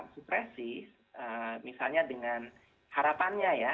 supresi misalnya dengan harapannya ya